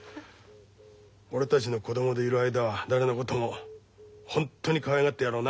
俺たちの子供でいる間は誰のことも本当にかわいがってやろうな。